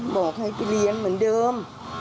บอกให้ไปเรียนเหมือนเดิม